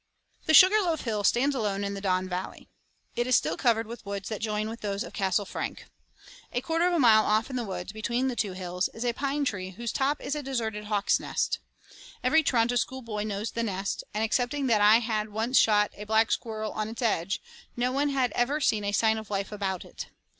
II The Sugar Loaf hill stands alone in the Don Valley. It is still covered with woods that join with those of Castle Frank, a quarter of a mile off in the woods, between the two hills, is a pine tree in whose top is a deserted hawk's nest. Every Toronto school boy knows the nest, and, excepting that I had once shot a black squirrel on its edge, no one had ever seen a sign of life about it.